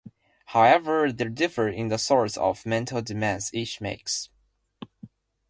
However, they differ in the sorts of mental demands each makes.